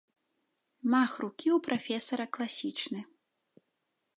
Мах рукі ў прафесара класічны!